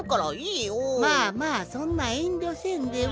まあまあそんなえんりょせんでも。